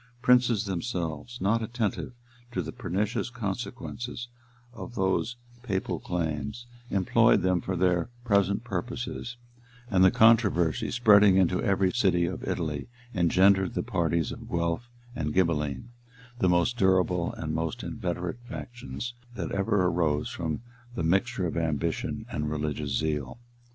Princes themselves, not attentive to the pernicious consequences of those papal claims, employed them for their present purposes; and the controversy, spreading into every city of Italy, engendered the parties of Guelf and Ghibbelin; the most durable and most inveterate factions that ever arose from the mixture of ambition and religious zeal.